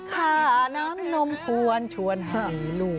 ค่าน้ำนมควรชวนให้ลูก